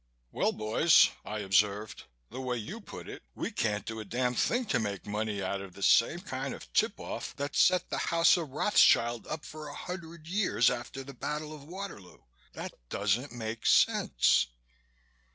"Well, boys," I observed, "the way you put it we can't do a damn thing to make money out of the same kind of tip off that set the House of Rothschild up for a hundred years after the Battle of Waterloo. That doesn't make sense."